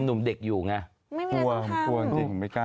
หนุ่มเด็กอยู่ไงไม่มีอะไรต้องทำ